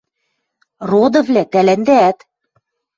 Родывлӓ, тӓлӓндӓӓт.